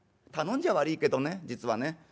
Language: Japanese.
頼んじゃ悪いけどね実はね